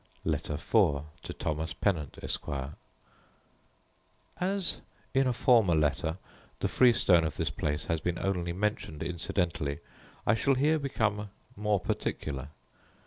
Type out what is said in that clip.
Letter IV To Thomas Pennant, Esquire As in a former letter the freestone of this place has been only mentioned incidentally, I shall here become more particular.